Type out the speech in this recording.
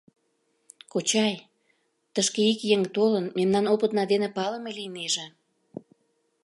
— Кочай... тышке ик еҥ толын, мемнан опытна дене палыме лийнеже.